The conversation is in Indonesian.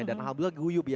dan hal hal juga guyup ya